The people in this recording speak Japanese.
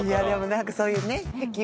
何かそういうね。